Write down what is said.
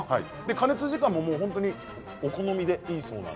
加熱時間も、お好みでいいそうです。